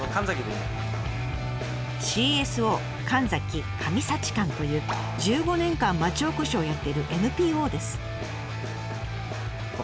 「ＣＳＯかんざき神幸館」という１５年間町おこしをやっているＮＰＯです。